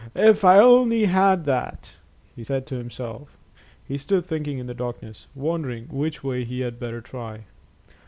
"If I only had that," he said to himself. He stood thinking in the darkness, wondering which way he had better try.